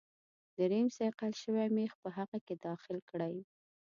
دریم صیقل شوی میخ په هغه کې داخل کړئ.